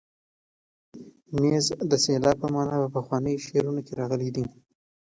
نیز د سیلاب په مانا په پخوانیو شعرونو کې راغلی دی.